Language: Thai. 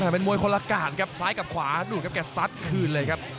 เป็นมวยคนละการครับซ้ายกับขวาดูดครับแกซัดคืนเลยครับ